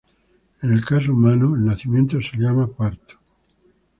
En el caso humano, al nacimiento se le llama parto.